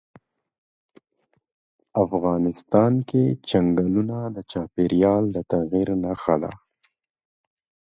افغانستان کې چنګلونه د چاپېریال د تغیر نښه ده.